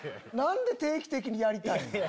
なんで定期的にやりたいの？